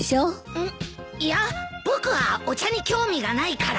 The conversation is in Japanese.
うんいや僕はお茶に興味がないから。